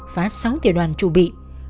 phá sáu triệu đoàn trụ bị